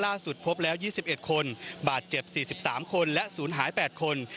พบแล้ว๒๑คนบาดเจ็บ๔๓คนและศูนย์หาย๘คน